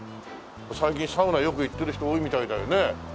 最近サウナよく行ってる人多いみたいだよね。